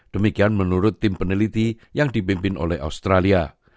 demikian menurut tim peneliti yang dipimpin oleh australia